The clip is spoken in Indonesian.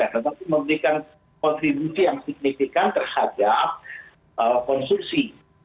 tetapi memberikan kontribusi yang signifikan terhadap konsumsi